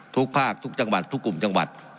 ทุกภาคทุกจังหวัดทุกกลุ่มจังหวัด